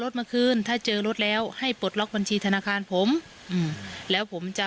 มาคืนถ้าเจอรถแล้วให้ปลดล็อกบัญชีธนาคารผมอืมแล้วผมจะ